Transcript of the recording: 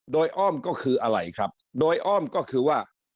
โดยอ้อมก็คืออะไรครับโดยอ้อมก็คือว่า